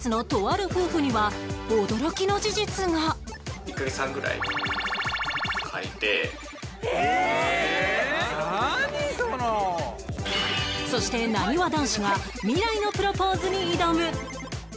そしてなにわ男子が未来のプロポーズに挑む